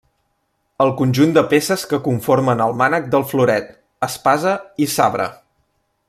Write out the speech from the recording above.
El conjunt de peces que conformen el mànec del floret, espasa i sabre.